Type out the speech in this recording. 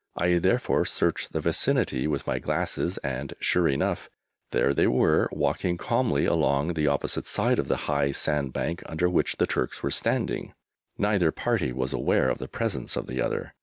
I therefore searched the vicinity with my glasses, and sure enough, there they were walking calmly along on the opposite side of the high sand bank under which the Turks were standing. Neither party was aware of the presence of the other.